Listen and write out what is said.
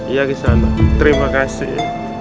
iya kisah anak terima kasih